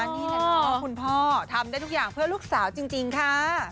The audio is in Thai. นี่แหละคุณพ่อทำได้ทุกอย่างเพื่อลูกสาวจริงค่ะ